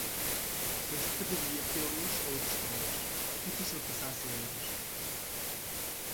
Eu esperaria pelos outros três, é difícil passar sem eles.